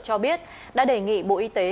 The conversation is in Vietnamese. cho biết đã đề nghị bộ y tế